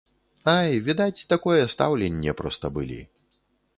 Ай, відаць такое стаўленне проста былі.